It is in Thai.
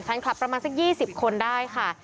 แฟนคลับประมาณสัก๒๐คนได้ค่ะ